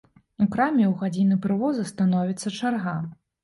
У краме ў гадзіны прывозу становіцца чарга.